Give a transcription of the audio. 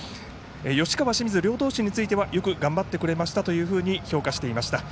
吉川、清水、両投手についてはよく頑張ってくれましたと評価していました。